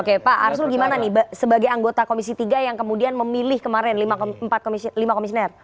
oke pak arsul gimana nih sebagai anggota komisi tiga yang kemudian memilih kemarin lima komisioner